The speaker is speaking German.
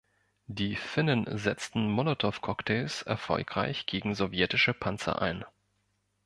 Die Finnen setzten Molotowcocktails erfolgreich gegen sowjetische Panzer ein.